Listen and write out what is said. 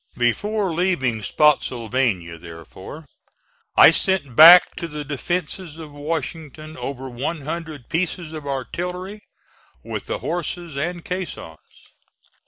Before leaving Spottsylvania, therefore, I sent back to the defences of Washington over one hundred pieces of artillery, with the horses and caissons.